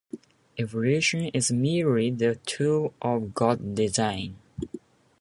Evolution is merely the tool of God's design.